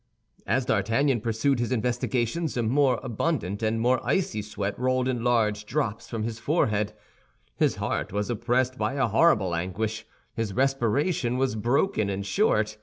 As D'Artagnan pursued his investigations, a more abundant and more icy sweat rolled in large drops from his forehead; his heart was oppressed by a horrible anguish; his respiration was broken and short.